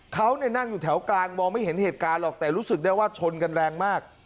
เขานั่งอยู่แถวกลางมองไม่เห็นเหตุการณ์หรอกแต่รู้สึกได้ว่าชนกันแรงมาก